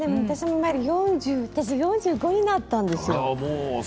私は４５になったんです。